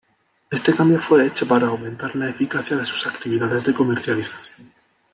Este cambio fue hecho para aumentar la eficacia de sus actividades de comercialización.